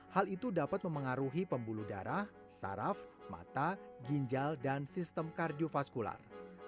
hal itu dapat memengaruhi pembuluh darah saraf mata ginjal dan sistem kardiofaskular